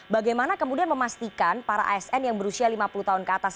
bagaimana kemudian memastikan para asn yang berusia lima puluh tahun ke atas